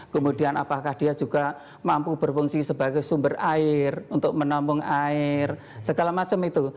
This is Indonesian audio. kemudian apakah dia juga mampu berfungsi sebagai sumber air untuk menampung air segala macam itu